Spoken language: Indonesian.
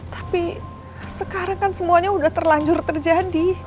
tapi sekarang kan semuanya sudah terlanjur terjadi